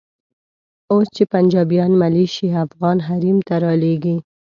اوس چې پنجابیان ملیشې افغان حریم ته رالېږي.